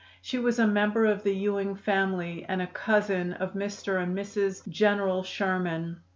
She was a member of the Ewing family and a cousin of Mr. and Mrs. General Sherman.